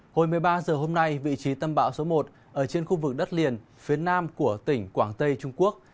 hồi một mươi ba h hôm nay vị trí tâm bão số một ở trên khu vực đất liền phía nam của tỉnh quảng tây trung quốc